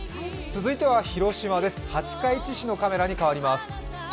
続いては広島です、廿日市市のカメラに変わります。